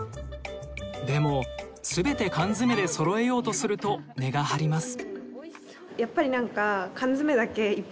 でもすべて缶詰でそろえようとすると値が張ります。